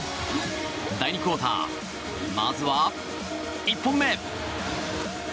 第２クオーターまずは１本目。